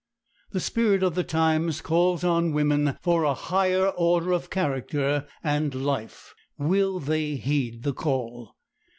The spirit of the times calls on women for a higher order of character and life. Will they heed the call?